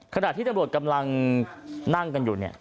ขณะที่ตำรวจกำลังนั่งกันอยู่เนี่ย